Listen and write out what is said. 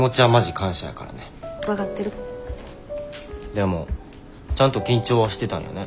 でもちゃんと緊張はしてたんやね。